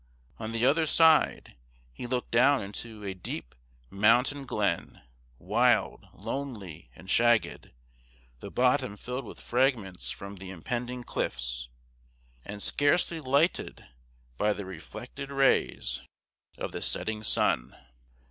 On the other side he looked down into a deep mountain glen, wild, lonely, and shagged, the bottom filled with fragments from the impending cliffs, and scarcely lighted by the reflected rays of the setting sun.